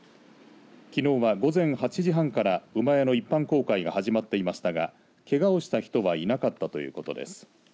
きのうは午前８時半から馬屋の一般公開が始まっていましたがけがをした人はいなかったということです。